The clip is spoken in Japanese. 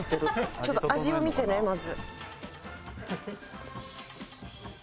ちょっと味を見てねまず。